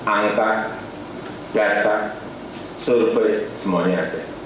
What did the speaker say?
angka data survei semuanya ada